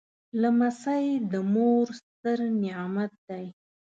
لمسی د مور ستر نعمت دی.